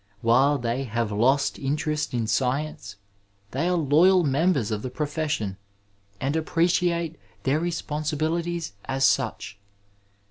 While they have lost interest in science, they are loyal members of the profession, and appreciate their respon sibilities as such.